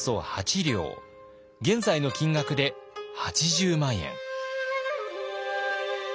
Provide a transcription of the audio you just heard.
現在の金額で８０万円。